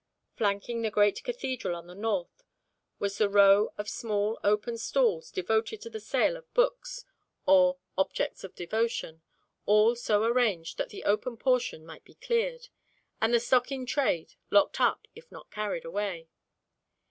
Flanking the great Cathedral on the north, was the row of small open stalls devoted to the sale of books, or "objects of devotion," all so arranged that the open portion might be cleared, and the stock in trade locked up if not carried away.